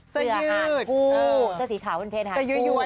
เสื้อสีขาวเป็นเพลงค่ะ